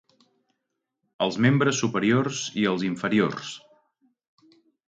Els membres superiors i els inferiors.